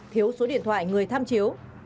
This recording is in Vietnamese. thiếu số điện thoại người tham chiếu